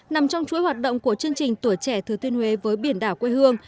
nằm trong chuỗi hoạt động của chương trình tuổi trẻ thừa thiên huế với biển đảo quê hương